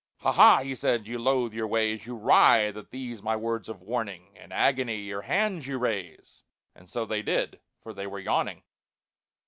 "Ha, ha!" he said, "you loathe your ways, You writhe at these my words of warning, In agony your hands you raise." (And so they did, for they were yawning.)